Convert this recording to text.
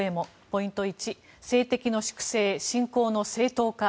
ポイント１、政敵の粛清侵攻の正当化